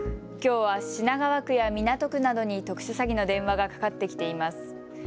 きょうは品川区や港区などに特殊詐欺の電話がかかってきています。